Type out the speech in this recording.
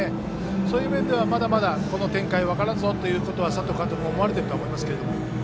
そういう面では、まだまだ展開分からないぞということは佐藤監督も思われていると思います。